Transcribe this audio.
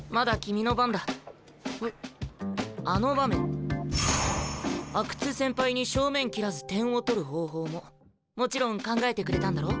あの場面阿久津先輩に正面切らず点を取る方法ももちろん考えてくれたんだろ？